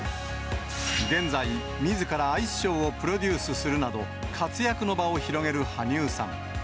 現在、みずからアイスショーをプロデュースするなど、活躍の場を広げる羽生さん。